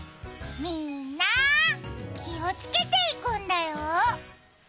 みんな、気をつけて行くんだよ